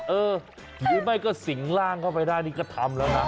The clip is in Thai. เออหรือไม่ก็สิงร่างเข้าไปได้นี่ก็ทำแล้วนะ